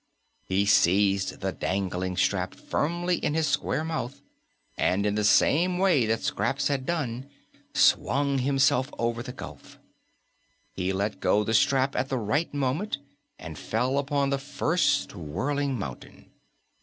He seized the dangling strap firmly in his square mouth, and in the same way that Scraps had done swung himself over the gulf. He let go the strap at the right moment and fell upon the first whirling mountain.